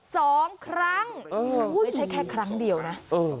สองครั้งเออไม่ใช่แค่ครั้งเดียวนะเออ